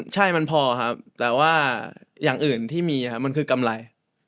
ใช่มันพอครับแต่ว่าอย่างอื่นที่มีครับมันคือกำไร